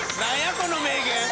この名言。